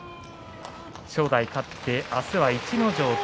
正代が勝って明日は逸ノ城。